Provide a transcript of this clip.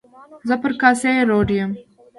زه پر کاسي روډ یم.